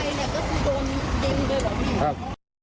ครับ